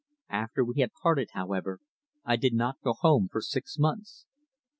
After we had parted, however, I did not go home for six months.